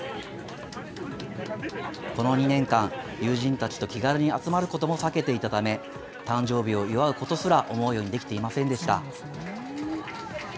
この２年間、友人たちと気軽に集まることも避けていたため、誕生日を祝うことすら思うようにできていませんでした。